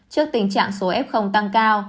trước tình trạng số f tăng cao